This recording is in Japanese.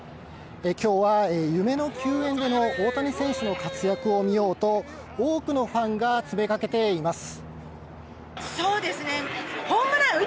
今日は夢の球宴での大谷選手の活躍を見ようと多くのファンが詰めかけています。